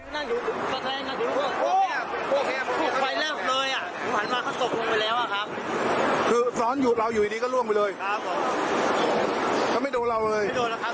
ไม่ได้แด่เพราะแล้วมีแก้อทำรอบกลาย